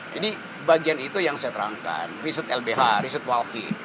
jadi bagian itu yang saya terangkan riset lbh riset walfi